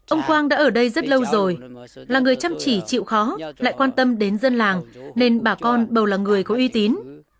ông quang đã ở đây rất lâu rồi là người chăm chỉ chịu khó lại quan tâm đến dân làng nên bà con bầu là người có uy tín